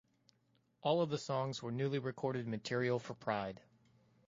All of the songs were newly recorded material for Pride.